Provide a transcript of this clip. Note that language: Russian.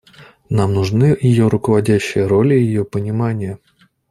Нам нужны ее руководящая роль и ее понимание.